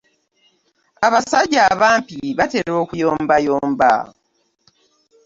Abasajja abampi batera okuyombayomba.